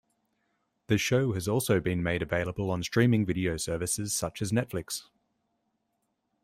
The show has also been made available on streaming video services such as Netflix.